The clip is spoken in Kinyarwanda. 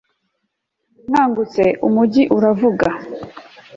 nkangutse, umujyi uravuga